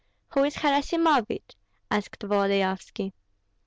"Who is Harasimovich?" asked Volodyovski.